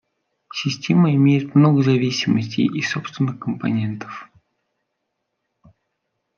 Система имеет много зависимостей и собственных компонентов